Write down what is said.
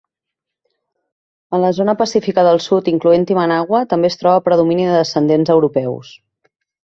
En la zona pacífica del Sud, incloent-hi Managua, també es troba predomini de descendents europeus.